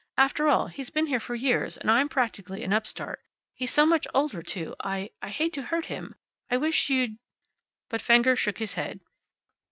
After all, he's been here for years, and I'm practically an upstart. He's so much older, too. I I hate to hurt him. I wish you'd " But Fenger shook his head.